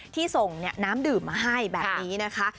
ที่ส่งน้ำดื่มมาให้แบบนี้นะคะ